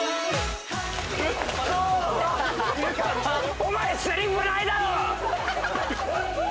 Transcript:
お前セリフないだろ！